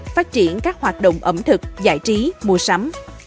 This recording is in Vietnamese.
phát triển các hoạt động ẩm thực giải trí mua sắm